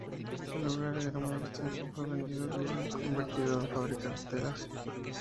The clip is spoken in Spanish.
El lugar, que era muy extenso, fue vendido y reconvertido en fábrica de telas.